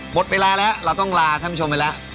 หมดเวลาแล้วเราต้องลาท่านผู้ชมไปแล้ว